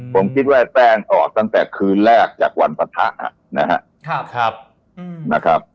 ผมคิดว่าแป้งออกตั้งแต่คืนแรกจากวันปะทะนะครับ